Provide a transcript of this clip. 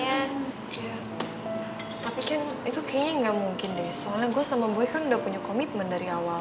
iya tapi kan itu kayaknya gak mungkin deh soalnya gue sama boy kan udah punya komitmen dari awal